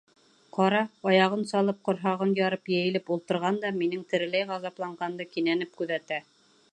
Ҡара, аяғын салып, ҡорһағын ярып йәйелеп ултырған да, минең тереләй ғазапланғанды кинәнеп күҙәтә.